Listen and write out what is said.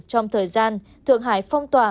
trong thời gian thượng hải phong tỏa